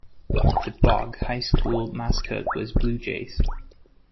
The Bogue High School mascot was Bluejays.